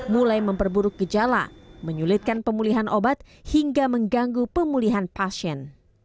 mulai memperburuk gejala menyulitkan pemulihan obat hingga mengganggu pemulihan pasien